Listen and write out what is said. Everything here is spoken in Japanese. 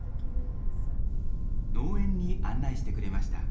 農園に案内してくれました。